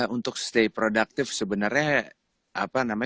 untuk stay productive sebenarnya